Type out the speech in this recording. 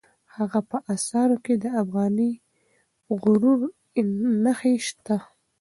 د هغه په آثارو کې د افغاني غرور نښې شته.